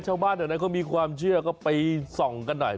ชาวบ้านแถวนั้นเขามีความเชื่อก็ไปส่องกันหน่อย